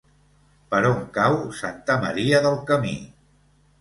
Per on cau Santa Maria del Camí?